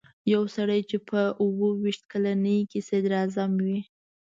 یو سړی چې په اووه ویشت کلنۍ کې صدراعظم وي.